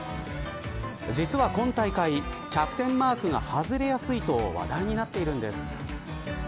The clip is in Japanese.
実は今大会キャプテンマークが外れやすいと話題になっているんです。